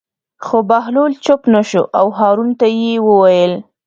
خو بهلول چوپ نه شو او هارون ته یې وویل.